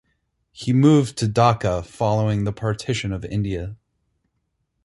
He moved to Dhaka following the partition of India.